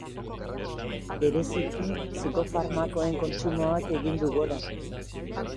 Bereziki, psikofarmakoen kontsumoak egin du gora.